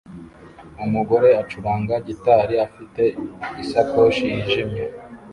Umugore ucuranga gitari afite isakoshi yijimye